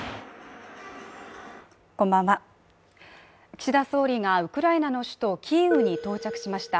岸田総理がウクライナの首都キーウに到着しました。